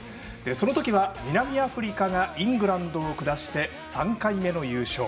その時は南アフリカがイングランドを下して３回目の優勝。